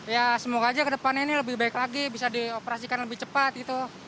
ya semoga aja ke depannya ini lebih baik lagi bisa dioperasikan lebih cepat gitu